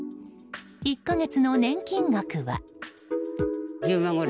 １か月の年金額は。